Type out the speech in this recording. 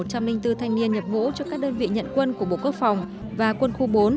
trong năm hai nghìn bốn thanh niên nhập ngũ cho các đơn vị nhận quân của bộ quốc phòng và quân khu bốn